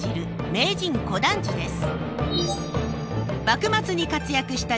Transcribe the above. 「名人小団次」です。